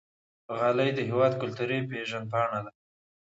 غالۍ د هېواد کلتوري پیژند پاڼه ده.